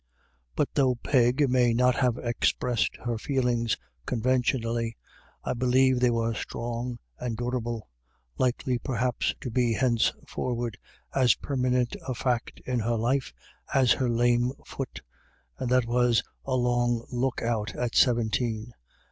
But though Peg may not have expressed her feelings conventionally, I believe they were strong and durable, likely, perhaps, to be henceforward as permanent a fact in her life as her lame foot ; and that was a long look out at seventeen.